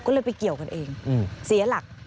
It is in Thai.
ก็เลยไปเกี่ยวกันเองเสียหลัก